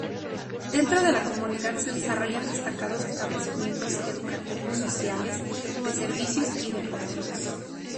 Dentro de la comunidad se desarrollan destacados establecimientos educativos, sociales, de servicios y deportivos.